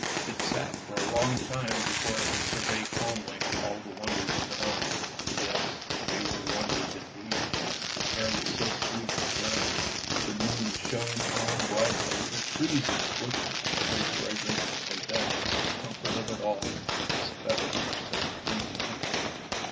It sat for a long time before it could survey calmly all the wonders around. Yes, they were wonders indeed, the air was so sweet and fresh, the moon shone on brightly, the trees and bushes were so fragrant ; and then the comfort of it all, its feathers were so clean and dainty.